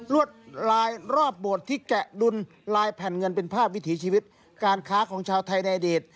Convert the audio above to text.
รวดลายรอบโบสถ์ที่แกะดุลลายแผ่นเงินเป็นภาพวิถีชีวิตการค้าของชาวไทยในอดีต